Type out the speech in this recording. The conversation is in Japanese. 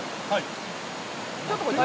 はい。